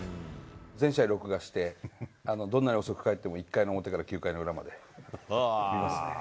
全試合録画して、どんなに遅く帰っても、１回の表から９回の裏まで見ますね。